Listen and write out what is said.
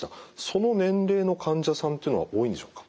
その年齢の患者さんというのは多いんでしょうか。